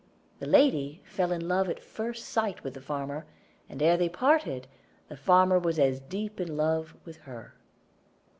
The lady fell in love at first sight with the farmer, and ere they parted, the farmer was as deep in love with her.